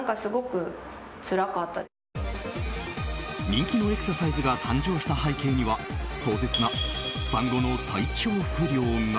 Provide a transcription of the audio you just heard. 人気のエクササイズが誕生した背景には壮絶な産後の体調不良が。